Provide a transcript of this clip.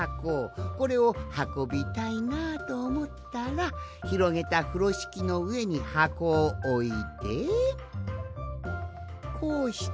これをはこびたいなあとおもったらひろげたふろしきのうえにはこをおいてこうして。